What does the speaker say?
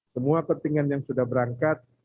semua pentingan yang sudah berangkat